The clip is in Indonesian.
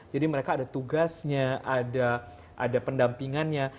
jadi mereka ada tugasnya ada pendampingannya